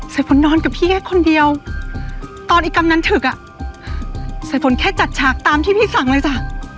สายฝนนอนกับพี่แค่คนเดียวตอนอีกกำนันถึงอ่ะสายฝนแค่จัดฉากตามที่พี่สั่งเลยจ้ะ